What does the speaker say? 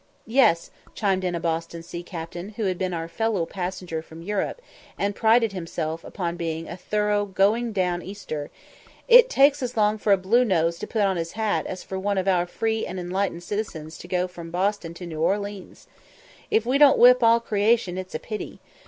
"Yes," chimed in a Boston sea captain, who had been our fellow passenger from Europe, and prided himself upon being a "thorough going down easter," "it takes as long for a Blue Nose to put on his hat as for one of our free and enlightened citizens to go from Bosting to New Orleens. If we don't whip all creation it's a pity!